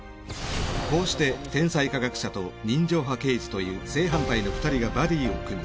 こうして天才科学者と人情派刑事という正反対の２人がバディを組み